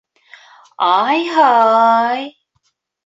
Ай-һай!